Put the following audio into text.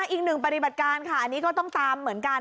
อีกหนึ่งปฏิบัติการค่ะอันนี้ก็ต้องตามเหมือนกัน